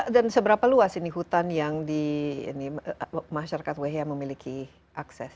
dan seberapa luas ini hutan yang di masyarakat wehea memiliki akses